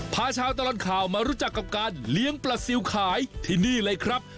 พาชาวตลอดข่าวมารู้จักกับการเลี้ยงปลาซิลขายที่นี่เลยครับ